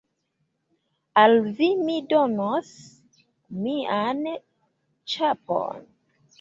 Al vi mi donos mian ĉapon.